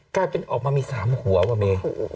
กลายเป็นออกมามี๓หัวว่ะเม